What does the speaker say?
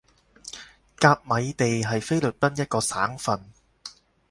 甲米地係菲律賓一個省份